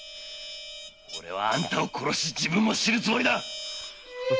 おれはあんたを殺し自分も死ぬつもりだ！